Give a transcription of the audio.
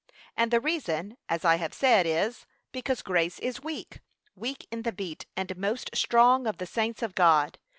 And the reason, as I have said, is, because grace is weak, weak in the beat and most strong of the saints of God.